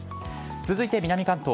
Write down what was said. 続いて南関東。